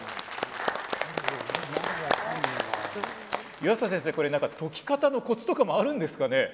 湯浅先生これ何か解き方のコツとかもあるんですかね？